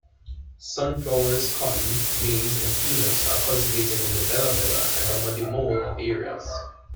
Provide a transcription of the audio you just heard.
Sunflowers, cotton, maize and peanuts are cultivated in the Bela-Bela and Modimolle areas.